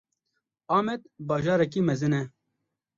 Amed bajarekî mezin e.